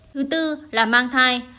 thứ tư là mang thai